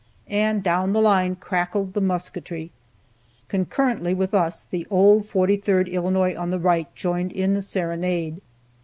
and down the line crackled the musketry. Concurrently with us, the old 43rd Illinois on the right joined in the serenade.